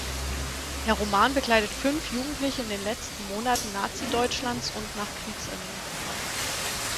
Der Roman begleitet fünf Jugendliche in den letzten Monaten Nazideutschlands und nach Kriegsende.